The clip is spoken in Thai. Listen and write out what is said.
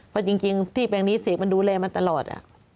เพราะจริงที่แปลงนี้เสกมันดูแลมันตลอด